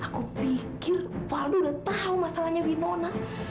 aku pikir paldol udah tahu masalahnya winona